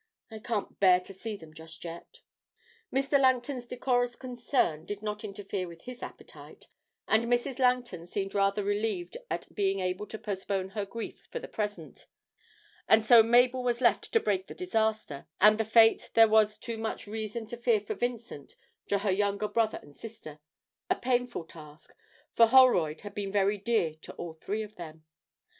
I can't bear to see them just yet.' Mr. Langton's decorous concern did not interfere with his appetite, and Mrs. Langton seemed rather relieved at being able to postpone her grief for the present, and so Mabel was left to break the disaster, and the fate there was too much reason to fear for Vincent, to her younger brother and sister a painful task, for Holroyd had been very dear to all three of them.